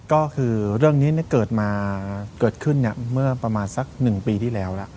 ก็คือเรื่องนี้เกิดมาเกิดขึ้นเมื่อประมาณสัก๑ปีที่แล้วล่ะ